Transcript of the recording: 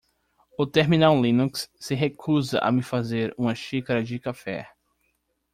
O terminal Linux se recusa a me fazer uma xícara de café.